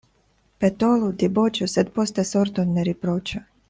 Petolu, diboĉu, sed poste sorton ne riproĉu.